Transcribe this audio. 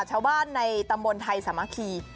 ชาวบ้านในตำบลไทยสามัคคี